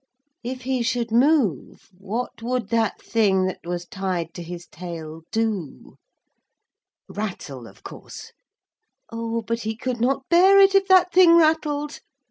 If he should move, what would that thing that was tied to his tail do? Rattle, of course. Oh, but he could not bear it if that thing rattled.